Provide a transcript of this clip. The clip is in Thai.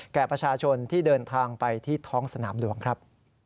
แก่ประชาชนที่เดินทางไปที่ท้องสนามหลวงครับ